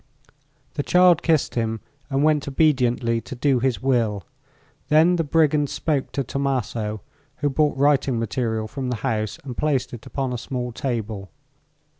The child kissed him and went obediently to do his will. Then the brigand spoke to Tommaso, who brought writing material from the house and placed it upon a small table.